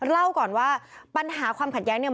เล่าก่อนว่าปัญหาความขัดแย้งเนี่ย